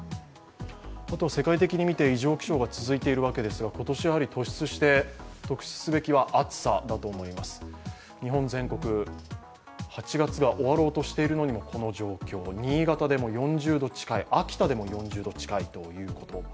あと世界的に見て異常気象が続いているわけですが、今年、特筆すべきは暑さだと思います、日本全国、８月が終わろうとしているのにこの状況、新潟でも４０度近い、秋田でも４０度近いということ。